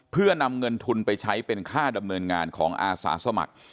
เพื่อนำเงินทุนไปใช้เป็นค่าดำเนินงานของอาสาสมัคร